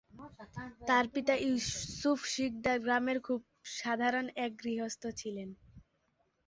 তার পিতা ইউসুফ শিকদার গ্রামের খুব সাধারণ এক গৃহস্থ ছিলেন।